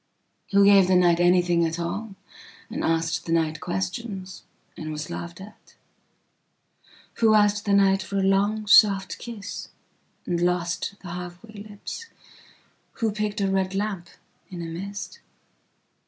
Who gave the night anything at alland asked the night questionsand was laughed at? Who asked the nightfor a long soft kissand lost the half way lips?who picked a red lamp in a mist?